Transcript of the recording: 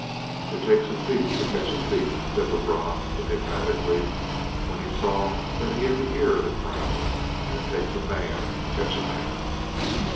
"It takes a thief to catch a thief," said Lebrun enigmatically, when he saw that he had the ear of the crowd, "and it takes a man to catch a man."